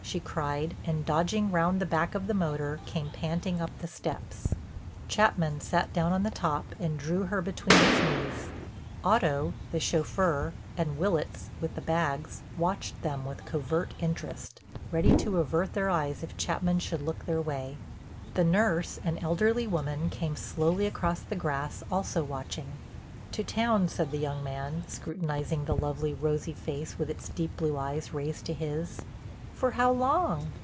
she cried and, dodging round the back of the motor, came panting up the steps. Chapman sat down on the top, and drew her between his knees. Otto, the chauffeur, and Willitts with the bags, watched them with covert interest, ready to avert their eyes if Chapman should look their way. The nurse, an elderly woman, came slowly across the grass, also watching. "To town," said the young man, scrutinizing the lovely, rosy face, with its deep blue eyes raised to his. "For how long?"